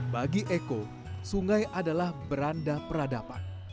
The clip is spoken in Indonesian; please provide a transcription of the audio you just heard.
bagi eko sungai adalah beranda peradaban